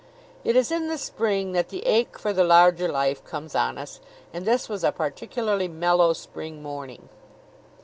It is in the Spring that the ache for the larger life comes on us, and this was a particularly mellow Spring morning.